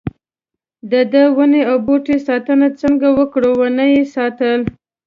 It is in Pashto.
ددې ونو او بوټو ساتنه څنګه وکړو ونه یې ساتل.